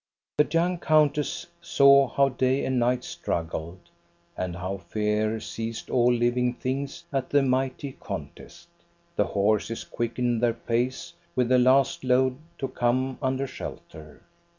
The young countess saw how day and night struggled, and how fear seized all living things at the mighty contest. The horses quickened their pace with the last load to come under shelter.